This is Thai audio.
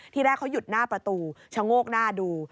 แรกเขาหยุดหน้าประตูชะโงกหน้าดู